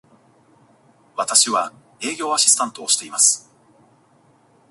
私は、営業アシスタントをしています。